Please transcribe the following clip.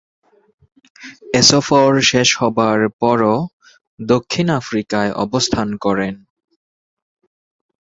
এ সফর শেষ হবার পরও দক্ষিণ আফ্রিকায় অবস্থান করেন।